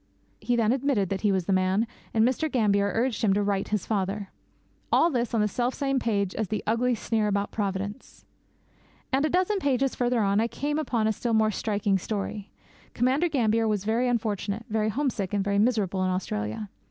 He then admitted that he was the man, and Mr. Gambier urged him to write to his father. All this on the selfsame page as the ugly sneer about Providence! And a dozen pages farther on I came upon a still more striking story. Commander Gambier was very unfortunate, very homesick, and very miserable in Australia.